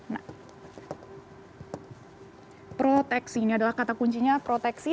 nah proteksi ini adalah kata kuncinya proteksi